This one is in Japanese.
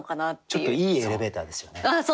ちょっといいエレベーターですよね。